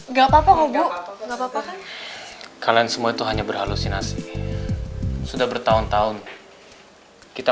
nggak papa ga papa kalian semua itu hanya berhalusinasi sudah bertahun tahun kita